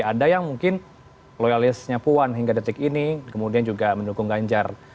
ada yang mungkin loyalisnya puan hingga detik ini kemudian juga mendukung ganjar